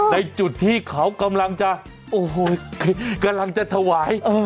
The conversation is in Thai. ในจุดที่เขากำลังจะ